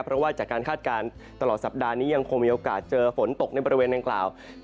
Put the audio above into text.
เพราะว่าจากการคาดการณ์ตลอดสัปดาห์นี้ยังคงมีโอกาสเจอฝนตกในบริเวณดังกล่าว